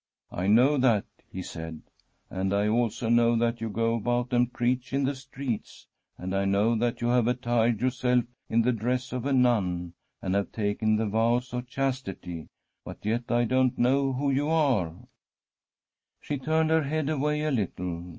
* I know that,' he said, ' and I also know that you go about and preach in the streets. And I From a SWEDISH HOMESTEAD know that you have attired yourself in the dress of a nun, and have taken the vows of chastity. But yet I don't know who you are/ She turned her head away a little.